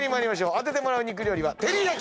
当ててもらう肉料理は照り焼き。